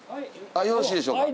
よろしいでしょうか？